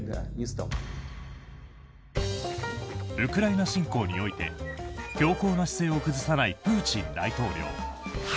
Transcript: ウクライナ侵攻において強硬な姿勢を崩さないプーチン大統領。